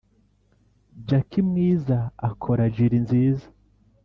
jack mwiza akora jill nziza.